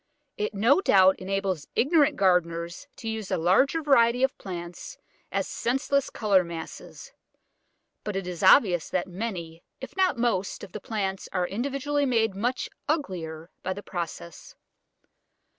It no doubt enables ignorant gardeners to use a larger variety of plants as senseless colour masses, but it is obvious that many, if not most, of the plants are individually made much uglier by the process.